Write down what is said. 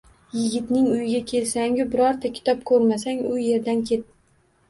Yigitning uyiga kelsangu birorta kitob ko‘rmasang, u yerdan ket.